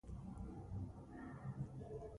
ناروې، ډنمارک، نیدرلینډ او انګلستان داسې هېوادونه دي.